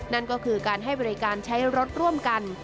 นั่นก็คือการให้บริการใช้รถร่วมกัน